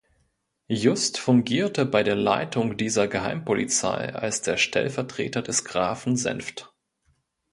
Just fungierte bei der Leitung dieser Geheimpolizei als der Stellvertreter des Grafen Senfft.